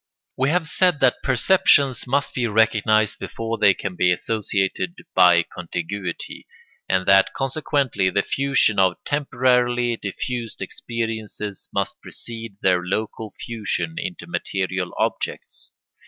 ] We have said that perceptions must be recognised before they can be associated by contiguity, and that consequently the fusion of temporally diffused experiences must precede their local fusion into material objects.